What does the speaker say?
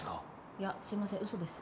いやすいませんうそです。